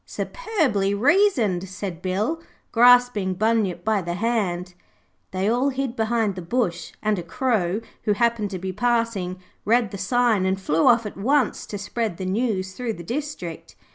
'Superbly reasoned,' said Bill, grasping Bunyip by the hand. They all hid behind the bush and a crow, who happened to be passing, read the sign and flew off at once to spread the news through the district.